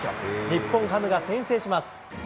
日本ハムが先制します。